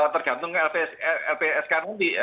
tergantung lpsk nanti